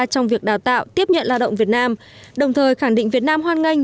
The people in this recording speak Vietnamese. trong việc đào tạo tiếp nhận lao động việt nam đồng thời khẳng định việt nam hoan nghênh